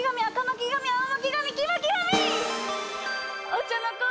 お茶の子